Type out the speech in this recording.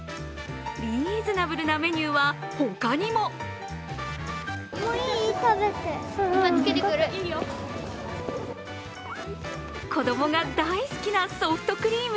リーズナブルなメニューは他にも。子どもが大好きなソフトクリーム。